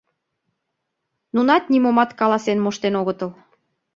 Нунат нимомат каласен моштен огытыл.